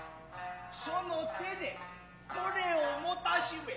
その手で是れを持たしめ。